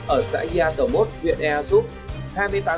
ở xã gia tờ mốt huyện ea xúc